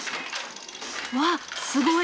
わっすごい！